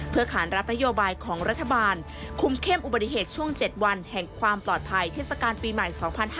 เพื่อขานรับนโยบายของรัฐบาลคุมเข้มอุบัติเหตุช่วง๗วันแห่งความปลอดภัยเทศกาลปีใหม่๒๕๕๙